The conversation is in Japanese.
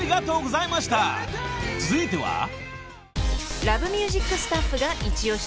［続いては］